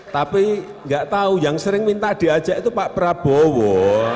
tapi nggak tahu yang sering minta diajak itu pak prabowo